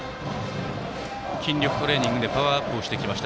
筋力トレーニングでパワーアップをしてきました。